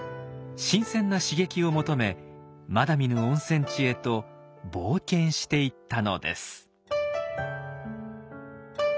新鮮な刺激を求めまだ見ぬ温泉地へと冒険していったのです。